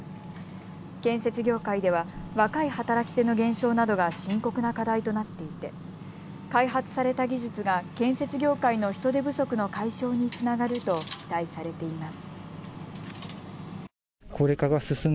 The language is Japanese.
建設業界では若い働き手の減少などが深刻な課題となっていて開発された技術が建設業界の人手不足の解消につながると期待されています。